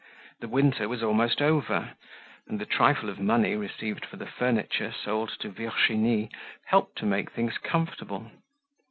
The winter was almost over, and the trifle of money received for the furniture sold to Virginie helped to make things comfortable.